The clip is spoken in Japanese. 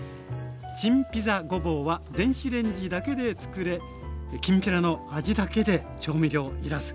チンピザごぼうは電子レンジだけで作れきんぴらの味だけで調味料要らず。